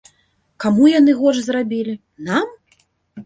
Каму яны горш зрабілі, нам?